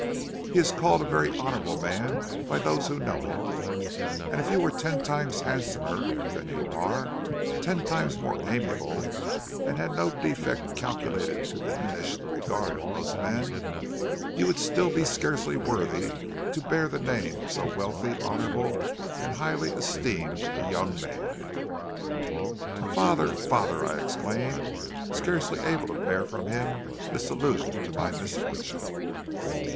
He is called a very honorable man by those who know him, and if you were ten times handsomer than you are, ten times more amiable, and had no defect calculated to diminish the regard of most men, you would still be scarcely worthy to bear the name of so wealthy, honorable, and highly esteemed a young man.' "'Father, father!' I exclaimed, scarcely able to bear from him this allusion to my misfortune.